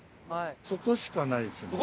そこしかないですね。